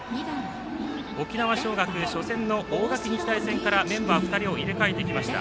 沖縄尚学初戦の大垣日大戦からメンバーを入れ替えてきました。